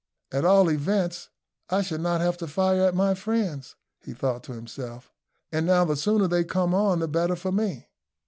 "At all events, I shall not have to fire at my friends," he thought to himself, "and now the sooner they come on the better for me."